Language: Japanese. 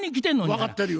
分かってるよ。